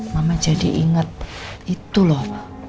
mama jadi inget itu loh